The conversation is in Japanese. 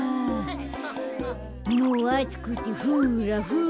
もうあつくてフラフラ。